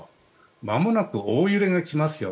まもなく大揺れが来ますよ